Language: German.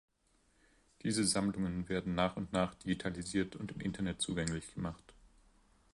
Diese Sammlungen werden nach und nach digitalisiert und im Internet zugänglich gemacht.